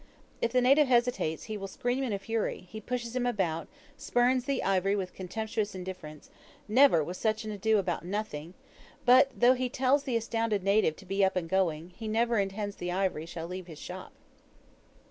If the native hesitates, he will scream in a fury; he pushes him about, spurns the ivory with contemptuous indifference, never was such ado about nothing; but though he tells the astounded native to be up and going, he never intends the ivory shall leave his shop.